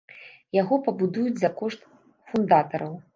Яго пабудуюць за кошт фундатараў.